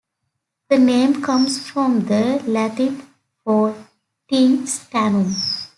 The name comes from the Latin for tin: "stannum".